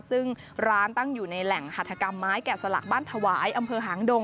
ซึ่งร้านตั้งอยู่ในแหล่งหัฐกรรมไม้แกะสลักบ้านถวายอำเภอหางดง